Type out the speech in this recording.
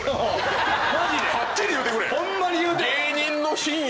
はっきり言うてくれ！